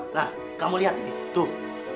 nah kamu lihat ini tuh